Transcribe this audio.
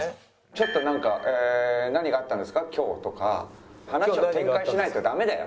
ちょっとなんか「何があったんですか今日」とか話を展開しないとダメだよ！